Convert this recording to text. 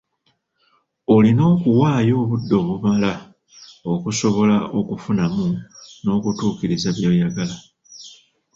Olina okuwaayo obudde obumala okusobala okukufunamu n'okukutuukiriza by'oyagala.